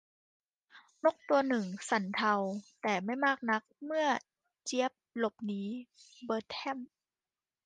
นกตัวหนึ่งสั่นเทา แต่ไม่มากนักเมื่อเจี๊ยบหลบหนีเบอร์แทรม